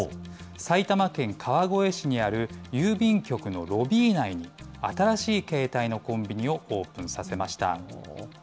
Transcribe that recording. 埼玉県川越市にある郵便局のロビー内に、新しい形態のコンビニをオープンさせました。